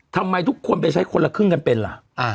ทำไมทุกคนไปใช้คนละครึ่งกันเป็นล่ะ